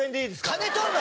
金取るの？